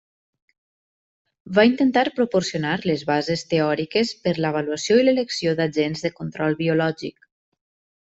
Va intentar proporcionar les bases teòriques per l'avaluació i l'elecció d'agents de control biològic.